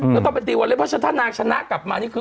ก็ต้องไปตีวัลเล่บเพราะถ้านางชนะกลับมานี่คือ